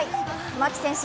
牧選手